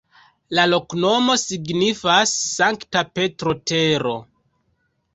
La loknomo signifas Sankta Petro-tero.